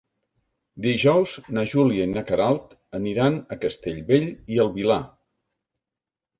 Dijous na Júlia i na Queralt aniran a Castellbell i el Vilar.